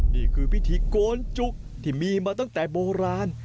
นี่คือพิธีโกนจุกที่มีมาตั้งแต่โบราณ